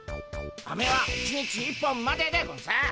アメは一日一本まででゴンス。